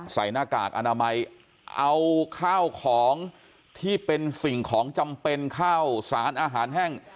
หน้ากากอนามัยเอาข้าวของที่เป็นสิ่งของจำเป็นข้าวสารอาหารแห้ง